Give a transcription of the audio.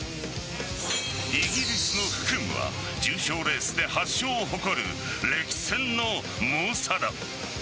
イギリスのフクムは重賞レースで８勝を誇る歴戦の猛者だ。